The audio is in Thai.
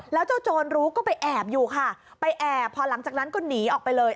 แล้วเจ้าโจรรู้ก็ไปแอบอยู่ค่ะไปแอบพอหลังจากนั้นก็หนีออกไปเลย